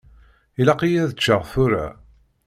Ilaq-iyi ad ččeɣ tura.